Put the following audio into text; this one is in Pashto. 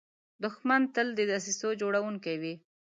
دښمن تل د دسیسو جوړونکی وي